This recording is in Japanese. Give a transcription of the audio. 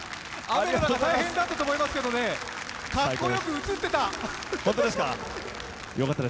雨の中大変だったと思いますけれども、かっこよく映ってた！